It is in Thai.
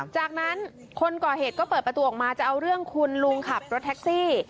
จากนั้นคนก่อเหตุก็เปิดประตูออกมาจะเอาเรื่องคุณลุงขับรถแท็กซี่